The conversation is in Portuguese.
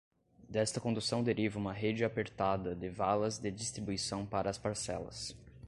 Desta condução deriva uma rede apertada de valas de distribuição para as parcelas.